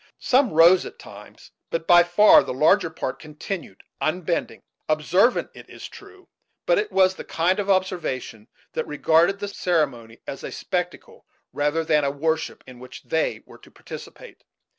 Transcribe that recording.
Some rose at times; but by far the larger part continued unbending; observant, it is true, but it was the kind of observation that regarded the ceremony as a spectacle rather than a worship in which they were to participate.